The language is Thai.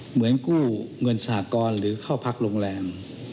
เหมือนกู้เงินสหกรณ์หรือเข้าพักโรงแรม